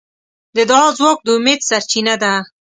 د دعا ځواک د امید سرچینه ده.